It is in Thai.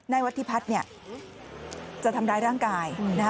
นายวัฒิพัฒน์จะทำร้ายร่างกาย